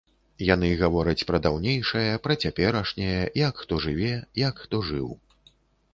Яны гавораць пра даўнейшае, пра цяперашняе, як хто жыве, як хто жыў.